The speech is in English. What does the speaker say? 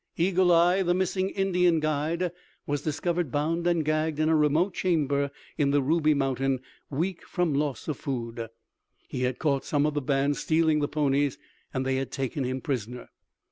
Eagle eye, the missing Indian guide, was discovered bound and gagged in a remote chamber in the Ruby Mountain, weak from loss of food. He had caught some of the band stealing the ponies and they had taken him prisoner.